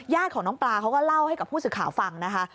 ของน้องปลาเขาก็เล่าให้กับผู้สื่อข่าวฟังนะคะ